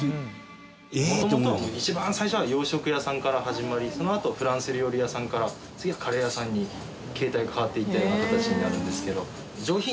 元々は一番最初は洋食屋さんから始まりそのあとフランス料理屋さんから次はカレー屋さんに形態が変わっていったような形になるんですけど。